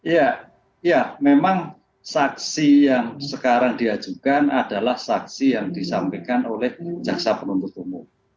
ya ya memang saksi yang sekarang diajukan adalah saksi yang disampaikan oleh jaksa penuntut umum